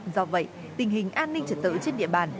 do vậy tình hình an ninh trật tự trên địa bàn